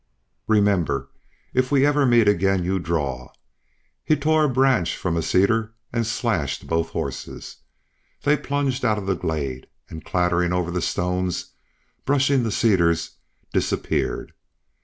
Remember! If we ever meet again you draw!" He tore a branch from a cedar and slashed both horses. They plunged out of the glade, and clattering over the stones, brushing the cedars, disappeared.